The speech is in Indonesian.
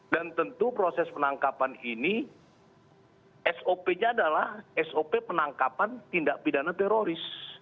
dan tentu proses penangkapan ini sop nya adalah sop penangkapan tindak pidana teroris